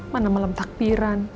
mana malam takbiran